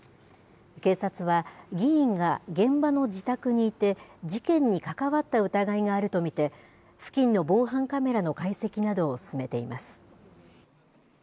警察は、議員が現場の自宅にいて、事件に関わった疑いがあると見て、付近の防犯カメラの解析などを進めています。